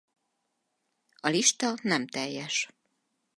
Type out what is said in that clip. A lista nem teljes!